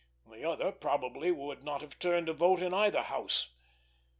The other probably would not have turned a vote in either House.